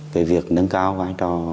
cái việc nâng cao vai trò